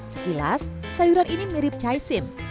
sekilas sayuran ini mirip chaisim